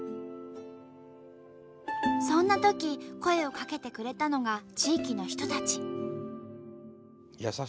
そんなとき声をかけてくれたのが地域の人たち。